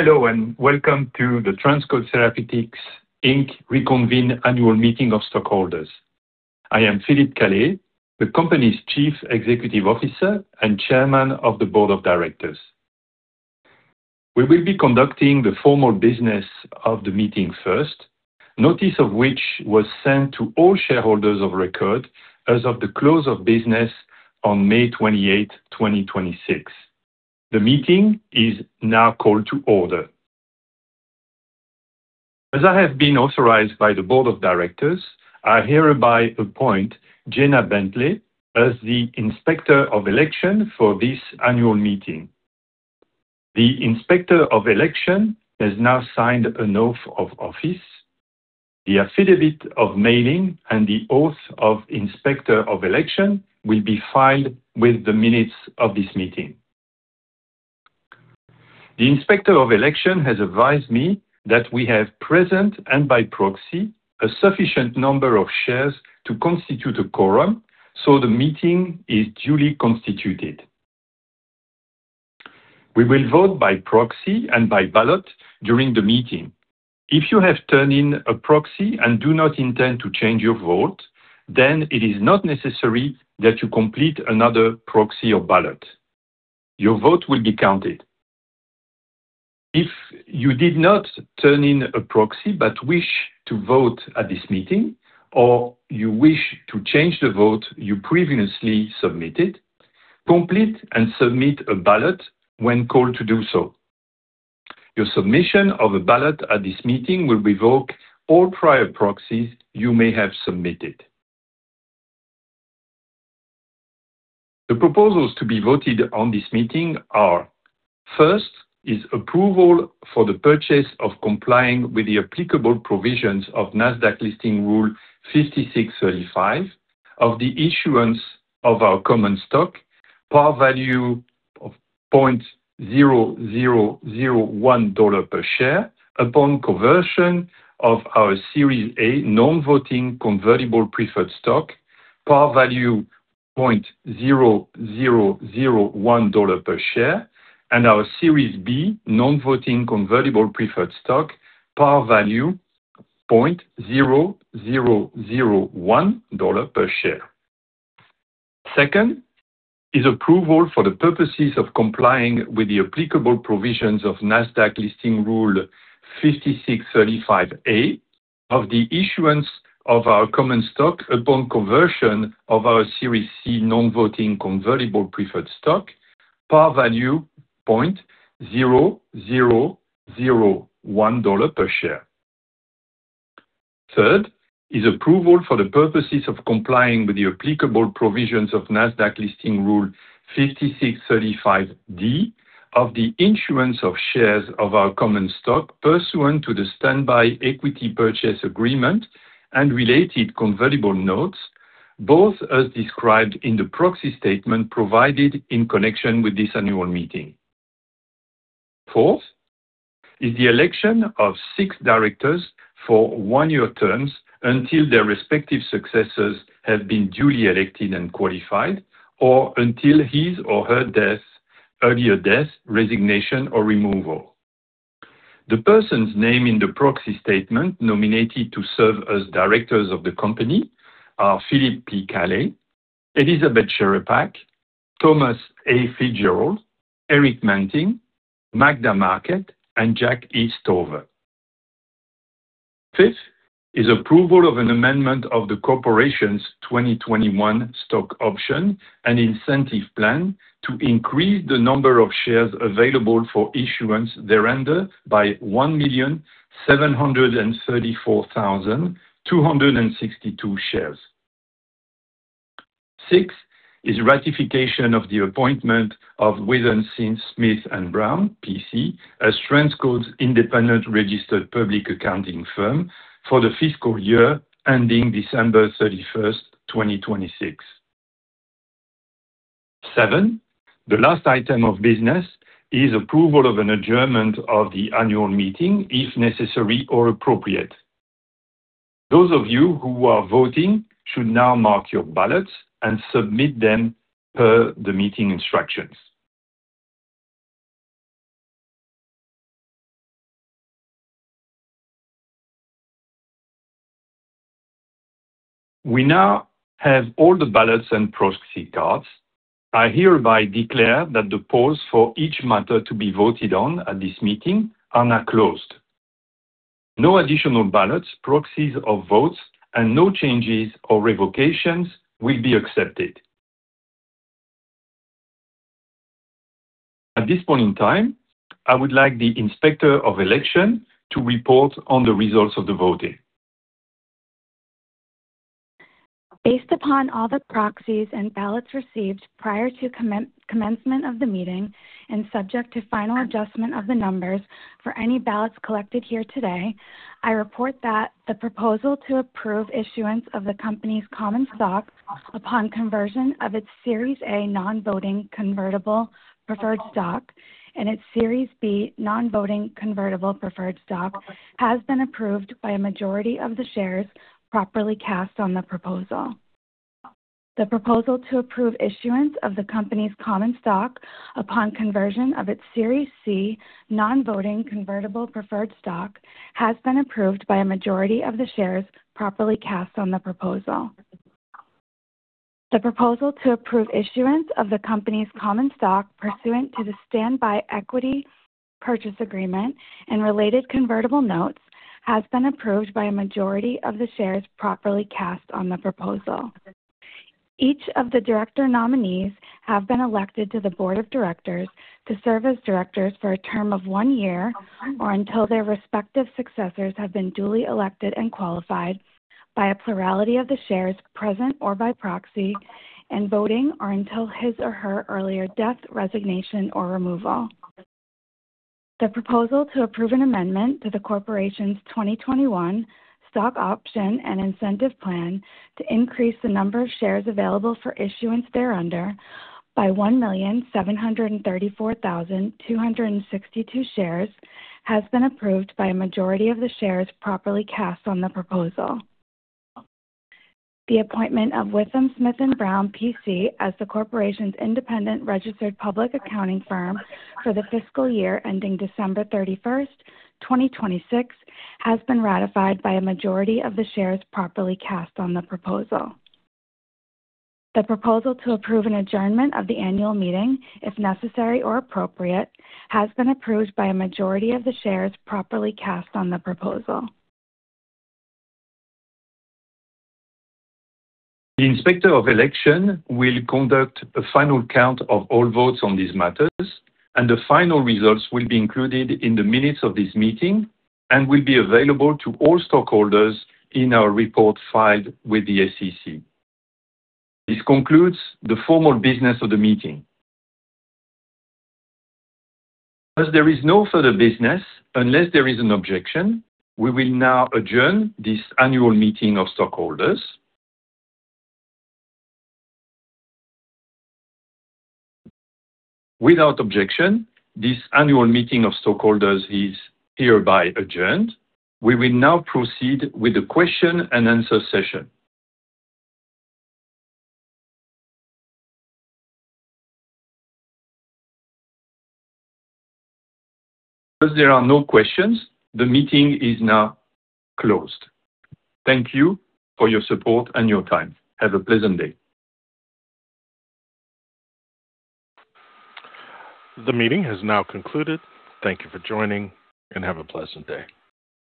Hello, and welcome to the TransCode Therapeutics, Inc. Reconvened Annual Meeting of Stockholders. I am Philippe Calais, the company's Chief Executive Officer and Chairman of the Board of Directors. We will be conducting the formal business of the meeting first, notice of which was sent to all shareholders of record as of the close of business on May 28, 2026. The meeting is now called to order. As I have been authorized by the board of directors, I hereby appoint Jenna Bentley as the Inspector of Election for this annual meeting. The Inspector of Election has now signed an oath of office. The affidavit of mailing and the oath of Inspector of Election will be filed with the minutes of this meeting. The Inspector of Election has advised me that we have present and by proxy a sufficient number of shares to constitute a quorum, the meeting is duly constituted. We will vote by proxy and by ballot during the meeting. If you have turned in a proxy and do not intend to change your vote, it is not necessary that you complete another proxy or ballot. Your vote will be counted. If you did not turn in a proxy but wish to vote at this meeting, or you wish to change the vote you previously submitted, complete and submit a ballot when called to do so. Your submission of a ballot at this meeting will revoke all prior proxies you may have submitted. The proposals to be voted on this meeting are, first is approval for the purchase of complying with the applicable provisions of Nasdaq Listing Rule 5635 of the issuance of our common stock, par value of $0.0001 per share, upon conversion of our Series A non-voting convertible preferred stock, par value $0.0001 per share, and our Series B non-voting convertible preferred stock, par value $0.0001 per share. Second is approval for the purposes of complying with the applicable provisions of Nasdaq Listing Rule 5635(a) of the issuance of our common stock upon conversion of our Series C non-voting convertible preferred stock, par value $0.0001 per share. Third is approval for the purposes of complying with the applicable provisions of Nasdaq Listing Rule 5635(d) of the issuance of shares of our common stock pursuant to the Standby Equity Purchase Agreement and related convertible notes, both as described in the proxy statement provided in connection with this annual meeting. Fourth is the election of six directors for one-year terms until their respective successors have been duly elected and qualified, or until his or her earlier death, resignation, or removal. The persons named in the proxy statement nominated to serve as directors of the company are Philippe P. Calais, Elizabeth Czerepak, Thomas A. Fitzgerald, Erik Manting, Magda Marquet, and Jack E. Stover. Fifth is approval of an amendment of the corporation's 2021 Stock Option and Incentive Plan to increase the number of shares available for issuance thereunder by 1,734,262 shares. Sixth is ratification of the appointment of WithumSmith+Brown, PC, as TransCode's independent registered public accounting firm for the fiscal year ending December 31st, 2026. Seven, the last item of business, is approval of an adjournment of the annual meeting, if necessary or appropriate. Those of you who are voting should now mark your ballots and submit them per the meeting instructions. We now have all the ballots and proxy cards. I hereby declare that the polls for each matter to be voted on at this meeting are now closed. No additional ballots, proxies, or votes, and no changes or revocations will be accepted. At this point in time, I would like the Inspector of Election to report on the results of the voting. Based upon all the proxies and ballots received prior to commencement of the meeting and subject to final adjustment of the numbers for any ballots collected here today, I report that the proposal to approve issuance of the company's common stock upon conversion of its Series A non-voting convertible preferred stock and its Series B non-voting convertible preferred stock has been approved by a majority of the shares properly cast on the proposal. The proposal to approve issuance of the company's common stock upon conversion of its Series C non-voting convertible preferred stock has been approved by a majority of the shares properly cast on the proposal. The proposal to approve issuance of the company's common stock pursuant to the Standby Equity Purchase Agreement and related convertible notes has been approved by a majority of the shares properly cast on the proposal. Each of the director nominees have been elected to the board of directors to serve as directors for a term of one year, or until their respective successors have been duly elected and qualified by a plurality of the shares present or by proxy and voting, or until his or her earlier death, resignation, or removal. The proposal to approve an amendment to the corporation's 2021 Stock Option and Incentive Plan to increase the number of shares available for issuance thereunder by 1,734,262 shares has been approved by a majority of the shares properly cast on the proposal. The appointment of WithumSmith+Brown, PC as the corporation's independent registered public accounting firm for the fiscal year ending December 31st, 2026, has been ratified by a majority of the shares properly cast on the proposal. The proposal to approve an adjournment of the annual meeting, if necessary or appropriate, has been approved by a majority of the shares properly cast on the proposal. The Inspector of Election will conduct a final count of all votes on these matters. The final results will be included in the minutes of this meeting and will be available to all stockholders in our report filed with the SEC. This concludes the formal business of the meeting. There is no further business, unless there is an objection, we will now adjourn this annual meeting of stockholders. Without objection, this annual meeting of stockholders is hereby adjourned. We will now proceed with the question and answer session. There are no questions, the meeting is now closed. Thank you for your support and your time. Have a pleasant day. The meeting has now concluded. Thank you for joining, and have a pleasant day.